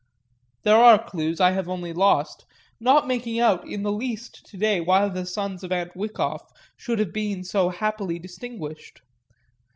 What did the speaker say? There are clues I have only lost, not making out in the least to day why the sons of Aunt Wyckoff should have been so happily distinguished.